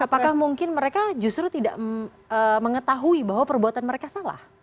apakah mungkin mereka justru tidak mengetahui bahwa perbuatan mereka salah